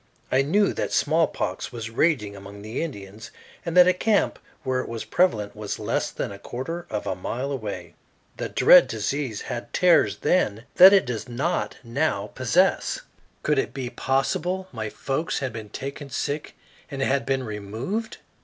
I knew that smallpox was raging among the Indians, and that a camp where it was prevalent was less than a quarter of a mile away. The dread disease had terrors then that it does not now possess. Could it be possible my folks had been taken sick and had been removed?